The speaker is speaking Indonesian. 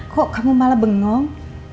kok kamu malah bengong